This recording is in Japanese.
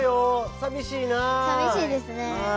さびしいですね。